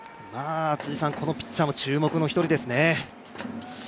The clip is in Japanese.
このピッチャーも注目の１人ですね